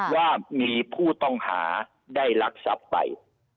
ว่ามีผู้ต้องหาได้รักทรัพย์ไป